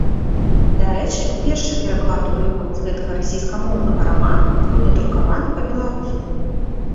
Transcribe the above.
Дарэчы, першы пераклад урыўкаў з гэтага расійскамоўнага раману быў надрукаваны па-беларуску.